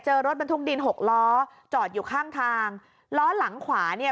รถบรรทุกดินหกล้อจอดอยู่ข้างทางล้อหลังขวาเนี่ย